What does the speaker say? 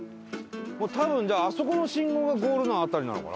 多分じゃああそこの信号がゴールの辺りなのかな？